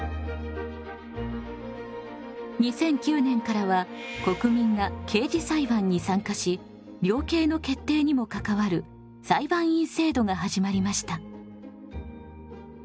２００９年からは国民が刑事裁判に参加し量刑の決定にも関わる裁判員制度が始まりました。